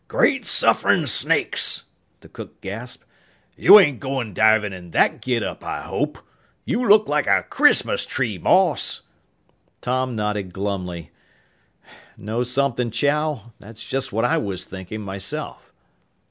"Great sufferin' snakes!" the cook gasped. "You ain't goin' divin' in that getup, I hope! You look like a Christmas tree, boss!" Tom nodded glumly. "Know something, Chow? That's just what I was thinking myself."